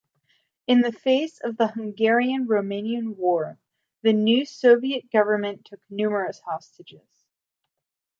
In the face of the Hungarian-Romanian War, the new Soviet government took numerous hostages.